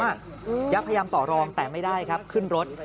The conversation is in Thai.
ยักษ์พยายามต่อรองแต่ไม่ได้ครับขึ้นรถ